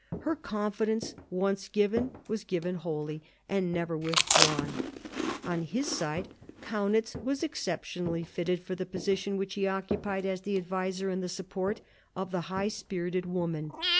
Her con fidence once given, was given wholly and never with drawn. On his side, Kaunitz was exceptionally fitted for the position which he occupied as the adviser and the support of the high spirited woman.